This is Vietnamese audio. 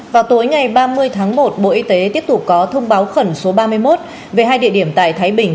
vào tối ngày ba mươi tháng một bộ y tế tiếp tục có thông báo khẩn số ba mươi một về hai địa điểm tại thái bình